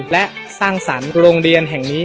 และสร้างสรรค์โรงเรียนแห่งนี้